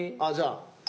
ああじゃあ。